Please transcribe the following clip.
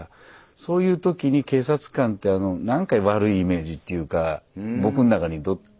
そういう時に警察官って何か悪いイメージっていうか僕の中にあって。